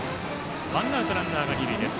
ワンアウトランナー、二塁です。